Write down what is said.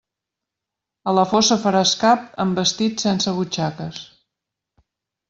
A la fossa faràs cap en vestit sense butxaques.